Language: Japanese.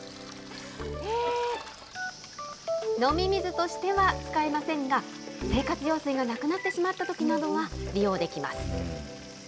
飲み水としては使えませんが、生活用水がなくなってしまったときなどは利用できます。